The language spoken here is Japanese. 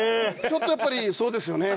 ちょっとやっぱりそうですよね。